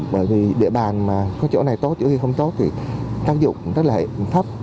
bởi vì địa bàn mà có chỗ này tốt chỗ thì không tốt thì tác dụng rất là thấp